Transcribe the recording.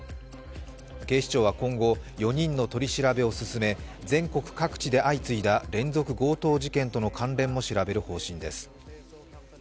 警視庁は今後、４人の取り調べを進め全国各地で相次いだ連続強盗事件との関連も調べる方針です。